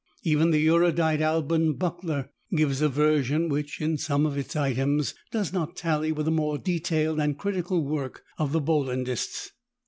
Even the erudite Alban Butler gives a version which, in some of its items, does not tally with the more detailed and critical work of the Bollandists.